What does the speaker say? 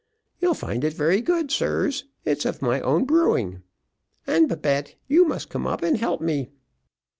You'll find it very good, sirs; it's of my own brewing. And Babette, you must come up and help me."